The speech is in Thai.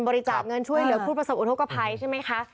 บริจาคเงินช่วยเหลือผู้ประสบอุทธกภัยใช่ไหมคะ